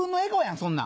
そんなん。